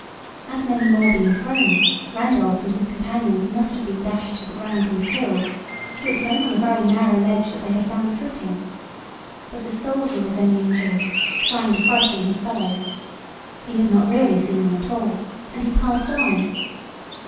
Had many more been thrown Randolph and his companions must have been dashed to the ground and killed, for it was only on a very narrow ledge that they had found a footing. But the soldier was only in joke, trying to frighten his fellows. He had not really seen them at all, and he passed on.